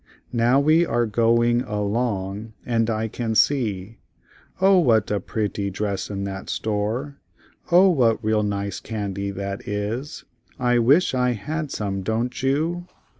Now we are going a long and I can see—O what a pret ty dress in that store. O what real nice can dy that is. I wish I had some don't you?